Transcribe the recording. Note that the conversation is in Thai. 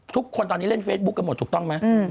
ทุกคนตอนนี้เล่นเฟซบุ๊คกันหมดถูกต้องไหม